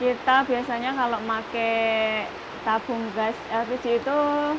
kita biasanya kalau pakai tabung gas lpg itu